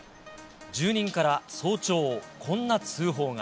住人から早朝、こんな通報が。